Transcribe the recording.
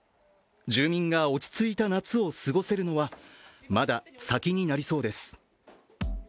住民が落ち着いた夏を過ごせるのは、まだ先になりそうです。